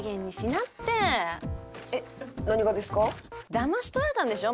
だまし取られたんでしょ？